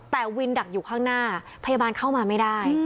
แต่วินดักอยู่ข้างหน้าพยาบาลเข้ามาไม่ได้